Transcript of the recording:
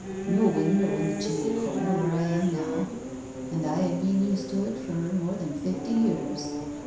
No window in the chimney corner where I am now, and I had been used to it for more than fifty years.